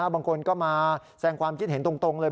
บางคนก็มาแสงความคิดเห็นตรงเลย